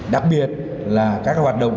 đặc biệt là các hoạt động